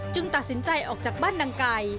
ตัดสินใจออกจากบ้านนางไก่